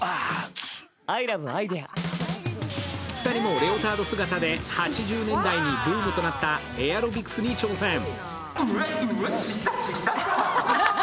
２人もレオタード姿で８０年代にブームとなったエアロビクスに挑戦。